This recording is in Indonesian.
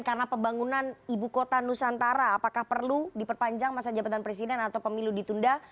karena pemulihan ekonomi di perbuktaan nusantara apakah perlu diperpanjang masa jabatan presiden atau pemilu ditunda